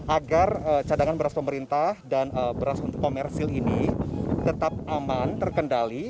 agar cadangan beras pemerintah dan beras untuk komersil ini tetap aman terkendali